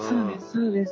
そうです